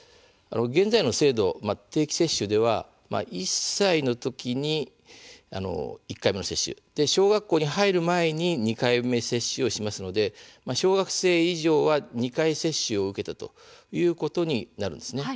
現在の制度、定期接種では１歳の時に１回目の接種小学校に入る前に２回目の接種をしますので小学生以上は２回接種を受けたことになるんです。